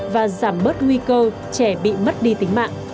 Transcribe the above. và giảm bớt nguy cơ trẻ bị mất đi tính mạng